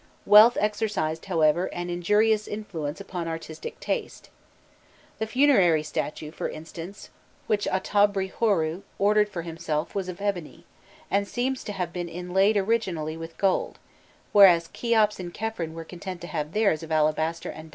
Wealth exercised, however, an injurious influence upon artistic taste. The funerary statue, for instance, which Aûtûabrî I. Horû ordered for himself was of ebony, and seems to have been inlaid originally with gold, whereas Kheops and Khephren were content to have theirs of alabaster and diorite.